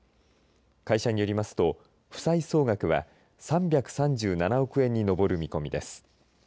会社によりますと負債総額は３３７億円に上る見込みです。